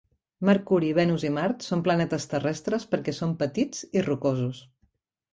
Mercuri, Venus i Mart són planetes terrestres perquè són petits i rocosos.